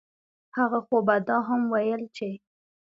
هغه خو به دا هم وييل چې